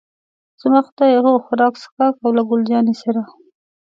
زما خدایه، هو، خوراک، څښاک او له ګل جانې سره.